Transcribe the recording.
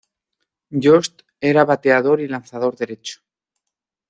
Yost era bateador y lanzador derecho.